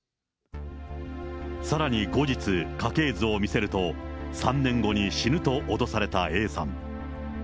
さらに後日、家系図を見せると、３年後に死ぬと脅されたＡさん。